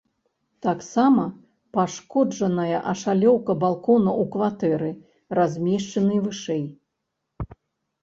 Таксама пашкоджаная ашалёўка балкона ў кватэры, размешчанай вышэй.